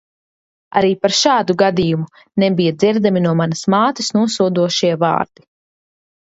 Arī par šādu gadījumu, nebija dzirdami no manas mātes, nosodošie vārdi.